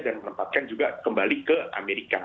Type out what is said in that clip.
dan menempatkan juga kembali ke amerika